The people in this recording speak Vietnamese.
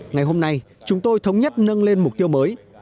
ngày hôm nay chúng tôi thống nhất nâng lên mục tiêu mới